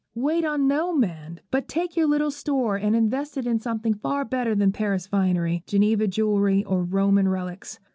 Wait on no man, but take your little store and invest it in something far better than Paris finery, Geneva jewellery, or Roman relics.